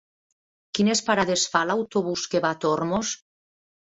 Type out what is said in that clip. Quines parades fa l'autobús que va a Tormos?